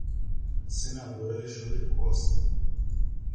Senador Alexandre Costa